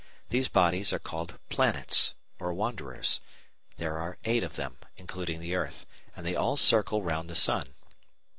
These bodies are called planets, or wanderers. There are eight of them, including the Earth, and they all circle round the sun.